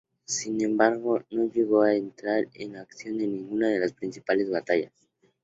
Sin embargo, no llegó a entrar en acción en ninguna de las principales batallas.